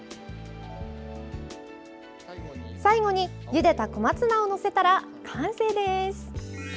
最後に、ゆでた小松菜を載せたら完成です。